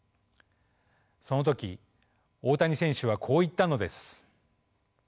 その時大谷選手はこう言ったのです。